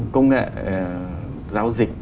công nghệ giao dịch